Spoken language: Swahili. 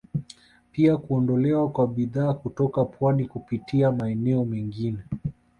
Pia kuondolewa kwa bidhaa kutoka pwani kupitia maeneo mengine